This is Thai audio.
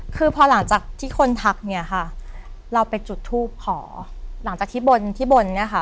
คือพอหลังจากที่คนทักเนี่ยค่ะเราไปจุดทูปขอหลังจากที่บนที่บนเนี่ยค่ะ